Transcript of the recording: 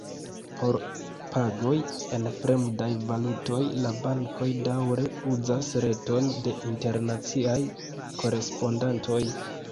Por pagoj en fremdaj valutoj la bankoj daŭre uzas reton de internaciaj korespondantoj.